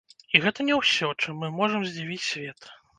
І гэта не ўсё, чым мы можам здзівіць свет.